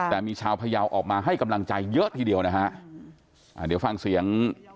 แต่มีชาวพยาวออกมาให้กำลังใจเยอะทีเดียวนะฮะอ่าเดี๋ยวฟังเสียง